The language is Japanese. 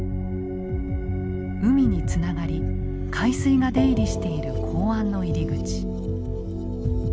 海につながり海水が出入りしている港湾の入り口。